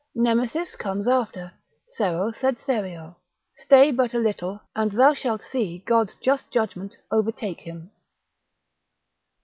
Nemesis comes after, sero sed serio, stay but a little and thou shalt see God's just judgment overtake him.